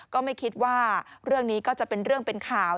ก็ไม่คิดว่าเรื่องนี้ก็จะเป็นเรื่องเป็นข่าว